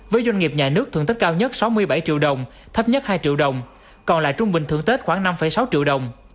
với doanh nghiệp nhà nước thưởng tết cao nhất sáu mươi bảy triệu đồng thấp nhất hai triệu đồng còn lại trung bình thưởng tết khoảng năm sáu triệu đồng